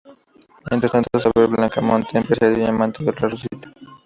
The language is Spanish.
Mientras tanto, saber Blanca Monte, empresario y amante de Rosita.